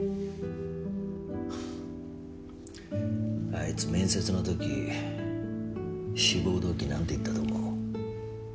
あいつ面接のとき志望動機何て言ったと思う？